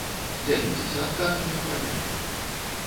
Дзяліцеся адказамі ў каментах!